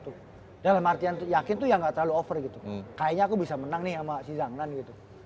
tuh dalam artian itu yakin nggak terlalu over gitu kayaknya aku bisa menang nih sama si jangan gitu